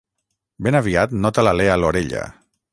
Ben aviat nota l'alè a l'orella.